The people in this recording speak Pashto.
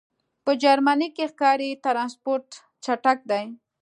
په جرمنی کی ښکاری ټرانسپورټ چټک دی